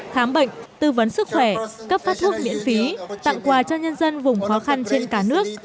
khám bệnh tư vấn sức khỏe cấp phát thuốc miễn phí tặng quà cho nhân dân vùng khó khăn trên cả nước